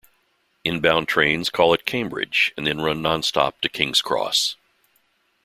Inbound trains call at Cambridge and then run non-stop to King's Cross.